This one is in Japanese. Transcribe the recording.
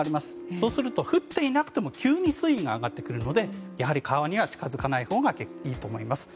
そうすると降っていなくても急に水位が上がってくるのでやはり川には近づかないほうがいいと思います。